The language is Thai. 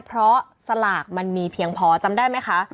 เพราะสลากมันมีเพียงพอจำได้ไหมคะ